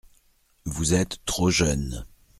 Vous êtes trop jeune.